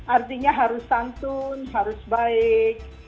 artinya harus santun harus baik